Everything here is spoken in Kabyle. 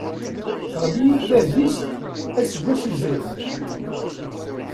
Teɣli-iyi-d tadist aseggas yezrin.